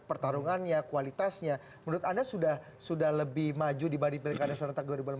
pertarungannya kualitasnya menurut anda sudah lebih maju dibanding pilkada serentak dua ribu lima belas